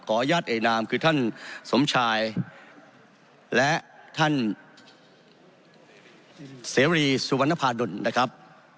อนุญาตเอนามคือท่านสมชายและท่านเสรีสุวรรณภาดลนะครับ